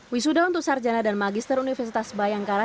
wisuda untuk sarjana dan magister universitas bayangkara